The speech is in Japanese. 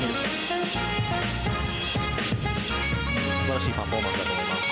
素晴らしいパフォーマンスだと思います。